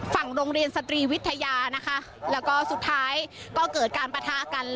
ฝั่งโรงเรียนสตรีวิทยานะคะแล้วก็สุดท้ายก็เกิดการปะทะกัน